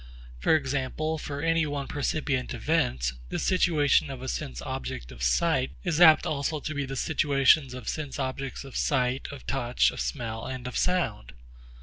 For example, for any one percipient event, the situation of a sense object of sight is apt also to be the situations of sense objects of sight, of touch, of smell, and of sound.